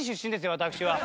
私は。